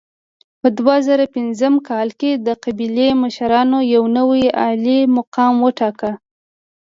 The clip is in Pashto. په دوه زره پنځم کال کې د قبیلې مشرانو یو نوی عالي مقام وټاکه.